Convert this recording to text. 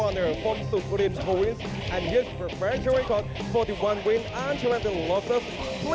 และมีรายละเอียดที่๔๑วินอันตรีวันที่สุด